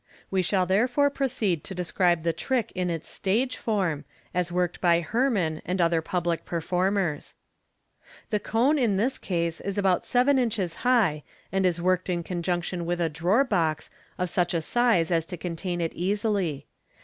We shall therefore proceed to describe the trick in its stage form, as worked by Herrmann and other public performers. The cone in this case is about seven inches high, and is worked in conjunction with a " drawer box " of such a size as to contain it easily.